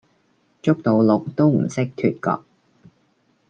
捉到鹿都唔識脫角